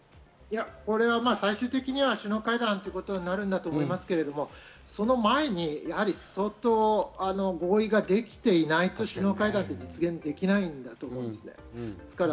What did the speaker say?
これは最終的には首脳会談ということになると思いますけど、その前にやはり相当、合意ができていないと首脳会談って実現できないんだと思います。